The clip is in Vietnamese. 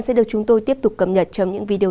sẽ được chúng tôi tiếp tục cập nhật trong những video